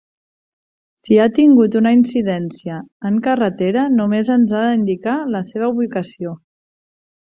Si ha tingut una incidència en carretera, només ens ha d'indicar la seva ubicació.